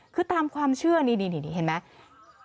คือตามความเชื่อนี่เห็นไหม